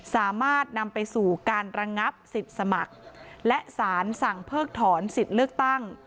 สามารถนำไปสู่การระงับสิทธิ์สมัครและสารสั่งเพิกถอนสิทธิ์เลือกตั้ง